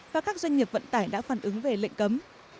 và các doanh nghiệp vận tải đã phản ứng về lệnh cấm